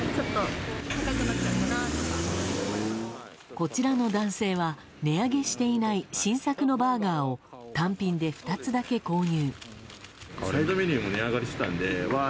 こちらの男性は値上げしていない新作のバーガーを単品で２つだけ購入。